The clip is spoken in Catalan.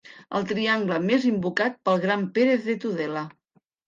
El triangle més invocat pel gran Pérez de Tudela.